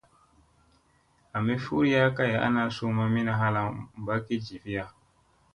Ami furiya kay ana suu mamina halaŋ ɓagii jiviya.